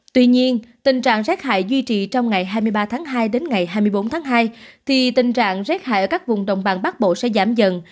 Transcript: tuy nhiên tình trạng rét hại duy trì trong ngày hai mươi ba tháng hai đến ngày hai mươi bốn tháng hai thì tình trạng rét hại ở các vùng đồng bằng bắc bộ sẽ giảm dần